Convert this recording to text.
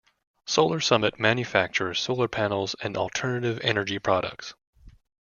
Solar Summit manufactures solar panels and alternative energy products.